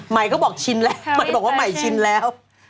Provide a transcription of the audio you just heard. ไหมก็บอกชินแล้วแกบอกว่าไหมชินแล้ว